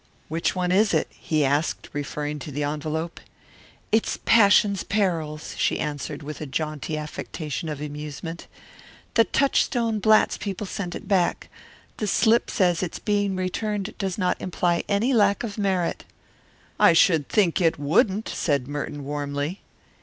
"Which one is it?" he asked, referring to the envelope. "It's Passion's Perils." she answered with a jaunty affectation of amusement. "The Touchstone Blatz people sent it back. The slip says its being returned does not imply any lack of merit." "I should think it wouldn't!" said Merton warmly.